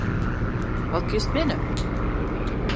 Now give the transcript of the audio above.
Wat kinst winne?